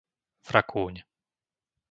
Vrakúň